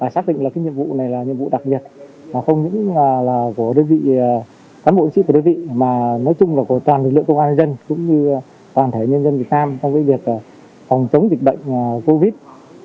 xác định là nhiệm vụ này là nhiệm vụ đặc biệt không những là của đơn vị cán bộ chiến sĩ của đơn vị mà nói chung là của toàn lực lượng công an nhân dân cũng như toàn thể nhân dân việt nam trong việc phòng chống dịch bệnh covid